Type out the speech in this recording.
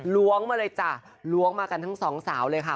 ล้วงมาเลยจ้ะล้วงมากันทั้งสองสาวเลยค่ะ